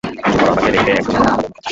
চুপ করো, আমাকে দেখতে একজন আবালের মত লাগছে।